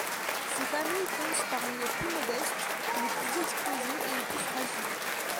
Ces familles comptent parmi les plus modestes, les plus exposées et les plus fragiles.